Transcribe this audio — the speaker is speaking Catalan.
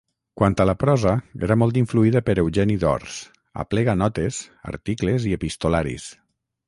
Quant a la prosa, era molt influïda per Eugeni d'Ors, aplega notes, articles i epistolaris.